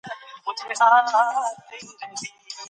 هغه تل غلې پاتې کېږي.